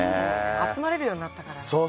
集まれるようになったからね。